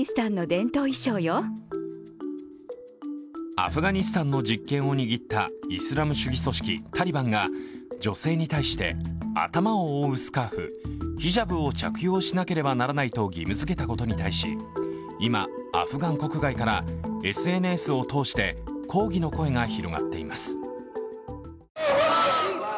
アフガニスタンの実権を握ったイスラム主義組織タリバンが女性に対して、頭を覆うスカーフ、ヒジャブを着用しなければならないと義務づけたことに対し、今、アフガン国外からＳＮＳを通して抗議の声が広がっています。